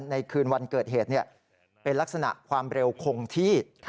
ในคืนวันเกิดเหตุเป็นลักษณะความเร็วคงที่